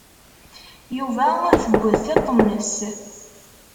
Yuba tewwi-t tiṭ-nnes.